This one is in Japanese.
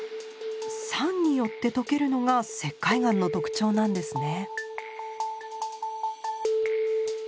酸によって溶けるのが石灰岩の特徴なんですね。